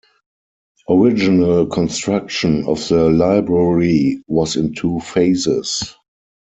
Original construction of the library was in two phases.